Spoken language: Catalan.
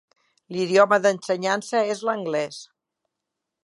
L'idioma d'ensenyança és l'anglès.